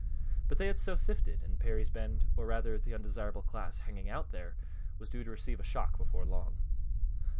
But they had so sifted, and Perry's Bend, or rather the undesirable class hanging out there, was due to receive a shock before long.